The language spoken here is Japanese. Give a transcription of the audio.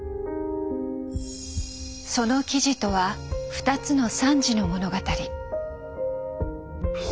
その記事とは「二つの惨事の物語」。